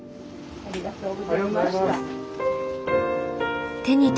ありがとうございます。